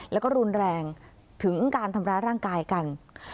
แล้วก็รุนแรงถึงการทำร้ายร่างกายกัน